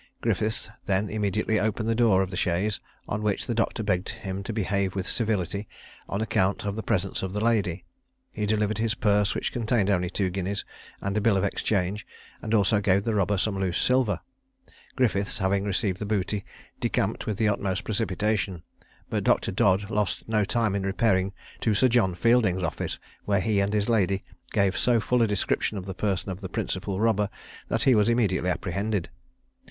Griffiths then immediately opened the door of the chaise; on which the doctor begged him to behave with civility, on account of the presence of the lady. He delivered his purse, which contained only two guineas, and a bill of exchange, and also gave the robber some loose silver. Griffiths, having received the booty, decamped with the utmost precipitation; but Dr. Dodd lost no time in repairing to Sir John Fielding's office, where he and his lady gave so full a description of the person of the principal robber, that he was immediately apprehended.